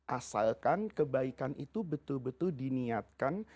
asalkan kebaikan itu betul betul diniatkan